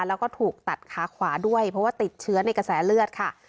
แล้วก็ถูกตัดขาขวาด้วยเพราะว่าติดเชื้อในกระแสเลือดค่ะ